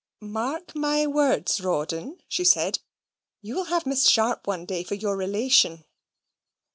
"Mark my words, Rawdon," she said. "You will have Miss Sharp one day for your relation."